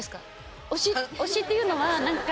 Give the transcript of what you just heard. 推しっていうのは何か。